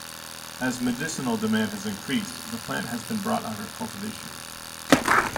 As medicinal demand has increased, the plant has been brought under cultivation.